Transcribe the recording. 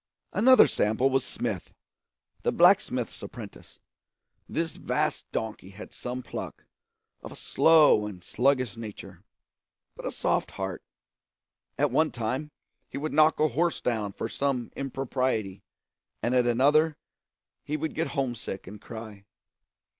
Another sample was Smith, the blacksmith's apprentice. This vast donkey had some pluck, of a slow and sluggish nature, but a soft heart; at one time he would knock a horse down for some impropriety, and at another he would get homesick and cry.